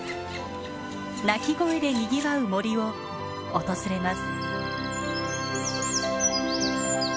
鳴き声でにぎわう森を訪れます。